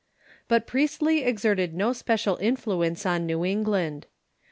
But Priestley exerted no special influence on New England.